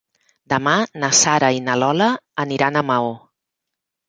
Demà na Sara i na Lola aniran a Maó.